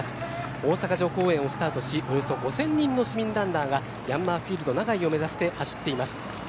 大阪城公園をスタートしおよそ５０００人の市民ランナーがヤンマーフィールド長居を目指して走っています。